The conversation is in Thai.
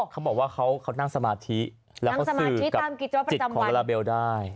เขาบอกว่าเขานั่งสมาธิแล้วเขาสื่อจิตของลาลาเบลได้